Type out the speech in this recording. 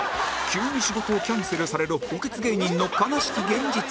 急に仕事をキャンセルされる補欠芸人の悲しき現実